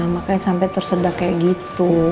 makanya sampai tersedak kayak gitu